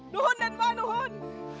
dohun tenpa dohun